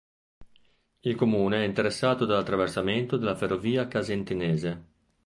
Il comune è interessato dall'attraversamento della Ferrovia Casentinese.